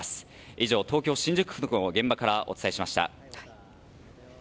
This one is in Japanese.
以上、東京・新宿区の現場からお伝えしました。